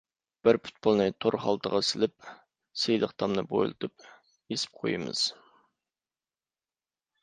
بىر پۇتبولنى تور خالتىغا سېلىپ سىلىق تامنى بويلىتىپ ئېسىپ قويىمىز.